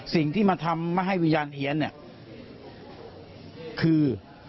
สิ่งที่มาทำให้วิญญาณเหี้ยนคือ